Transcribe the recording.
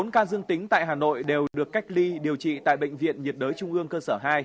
bốn ca dương tính tại hà nội đều được cách ly điều trị tại bệnh viện nhiệt đới trung ương cơ sở hai